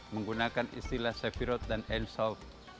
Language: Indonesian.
menggunakan istilah sefirot dan ensal